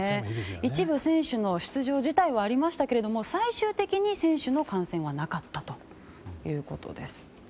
一部選手の出場辞退はありましたけれど最終的に選手の感染はなかったということです。